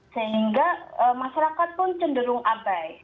sehingga masyarakat pun cenderung abai